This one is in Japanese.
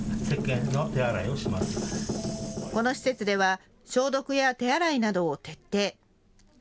この施設では消毒や手洗いなどを徹底。